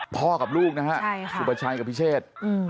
พ่อกับลูกนะฮะสุประชัยกับพิเชษ